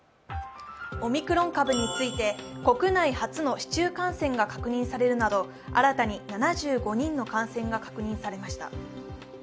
オミクロン株について国内初の市中感染が確認されるなど新たに７５人の感染が確認されました。